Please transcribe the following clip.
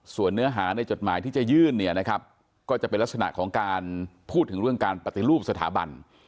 ส่วนเนื้อหาในจดหมายที่จะยื่นเนี่ยนะครับก็จะเป็นลักษณะของการพูดถึงเรื่องการปฏิรูปสถาบัน